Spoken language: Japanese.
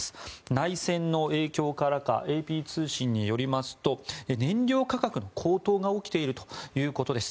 内戦の影響からかＡＰ通信によりますと燃料価格の高騰が起きているということです。